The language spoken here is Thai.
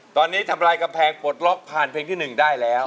ตอนนี้ทำลายกำแพงปลดล็อกผ่านเพลงที่๑ได้แล้ว